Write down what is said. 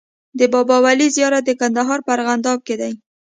د بابا ولي زيارت د کندهار په ارغنداب کی دی